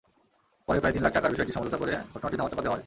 পরে প্রায় তিন লাখ টাকায় বিষয়টি সমঝোতা করে ঘটনাটি ধামাচাপা দেওয়া হয়।